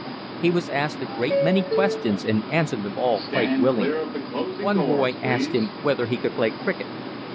He was asked a great many questions and answered them all quite willingly. One boy asked him whether he could play cricket.